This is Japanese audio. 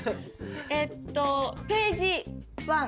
えっとページワン。